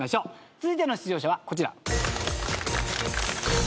続いての出場者はこちら。